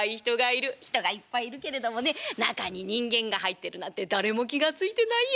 人がいっぱいいるけれどもね中に人間が入ってるなんて誰も気が付いてないよ。